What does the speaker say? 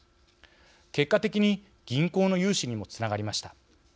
結果的に銀行の融資にもつながりました。